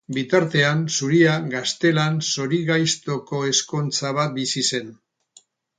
Bitartean, Zuria Gaztelan zorigaiztoko ezkontza bat bizi zen.